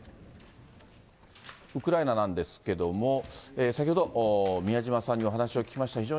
ウクライナなんですけれども、先ほど、宮嶋さんにお話を聞きました。